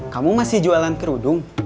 kamu masih jualan kerudung